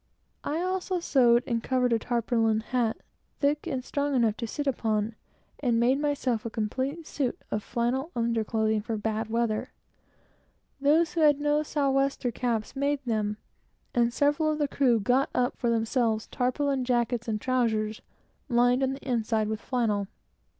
I also sewed and covered a tarpaulin hat, thick and strong enough to sit down upon, and made myself a complete suit of flannel under clothing, for bad weather. Those who had no south wester caps, made them, and several of the crew made themselves tarpaulin jackets and trowsers, lined on the inside with flannel.